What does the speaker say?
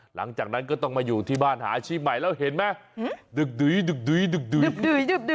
หลังจากนั้นก็ต้องมาอยู่ที่บ้านหาอาชีพใหม่แล้วเห็นไหมดึก